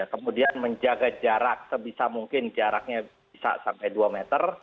kemudian menjaga jarak sebisa mungkin jaraknya bisa sampai dua meter